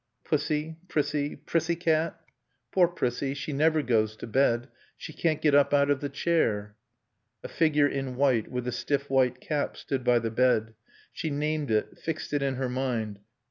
Pussy. Prissie. Prissiecat. Poor Prissie. She never goes to bed. She can't get up out of the chair." A figure in white, with a stiff white cap, stood by the bed. She named it, fixed it in her mind.